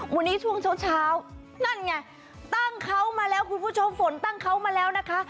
วันนี้ช่วงเช้านั่นไงตั้งเขามาแล้วคุณผู้ชมฝนตั้งเขามาแล้วนะคะ